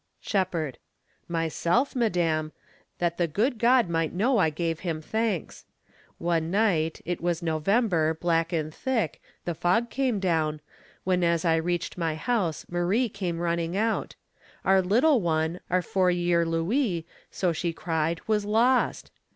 Shepherd. Myself, madame, That the good God might know I gave him thanks. One night, it was November, black and thick, The fog came down, when as I reached my house Marie came running out; our little one, Our four year Louis, so she cried, was lost.